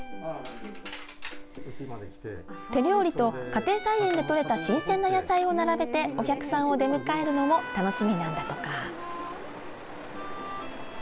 手料理と家庭菜園でとれた新鮮な野菜を並べてお客さんを出迎えるのも楽しみなんだとか。